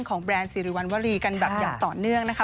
แบรนด์สิริวัณวรีกันแบบอย่างต่อเนื่องนะคะ